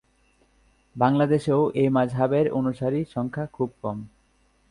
বাংলাদেশেও এ মাযহাবের অনুসারী সংখ্যা খুব কম।